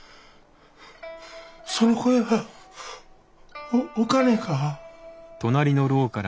その声はおかねか？